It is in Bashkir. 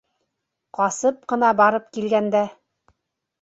Ҡасып ҡына барып килгәндә.